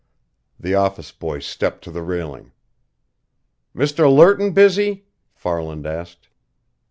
The office boy stepped to the railing. "Mr. Lerton busy?" Farland asked.